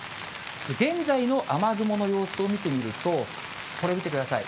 現在の雨雲の様子を見てみると、これ見てください。